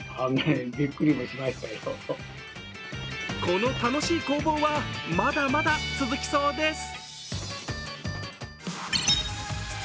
この楽しい攻防はまだまだ続きそうです。